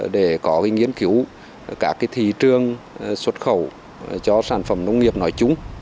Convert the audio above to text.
để có nghiên cứu các thị trường xuất khẩu cho sản phẩm nông nghiệp nói chung